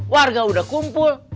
warga udah kumpul